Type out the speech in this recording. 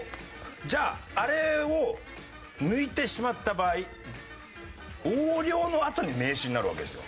じゃああれを抜いてしまった場合「横領」のあとに「名刺」になるわけですよ。